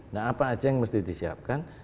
nah apa aja yang mesti disiapkan